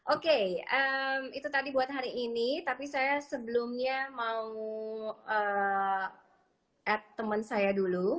oke itu tadi buat hari ini tapi saya sebelumnya mau ad teman saya dulu